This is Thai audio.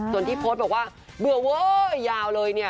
ส่วนที่โพสต์บอกว่าเบื่อเว้ยยาวเลยเนี่ย